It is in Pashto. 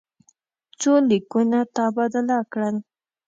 څو لیکونه تبادله کړل.